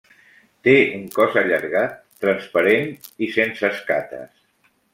Té un cos allargat, transparent i sense escates.